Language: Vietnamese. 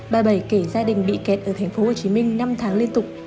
bà bảy kể gia đình bị kẹt ở tp hcm năm tháng liên tục